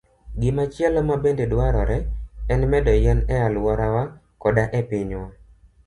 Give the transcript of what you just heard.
Gimachielo mabende dwarore en medo yien e alworawa koda e pinywa.